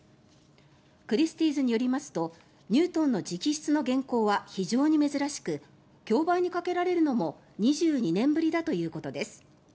クリスティーズによりますとニュートンの直筆の原稿は非常に珍しく競売にかけられるのも２２年ぶりだということです。